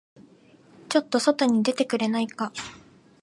ちょっと外に出てくれないか。